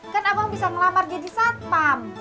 kan abang bisa ngelamar jadi satpam